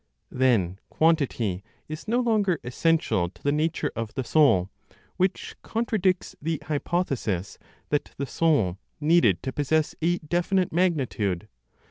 Then quantity is no longer essential to the nature of the soul; which contradicts the hypothesis that the soul needed to possess a definite magnitude.